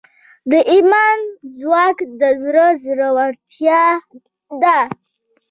د ایمان ځواک د زړه زړورتیا ده.